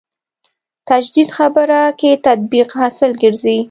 تجدید خبره کې تطبیق حاصل ګرځي.